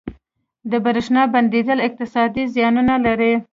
• د برېښنا بندیدل اقتصادي زیانونه لري.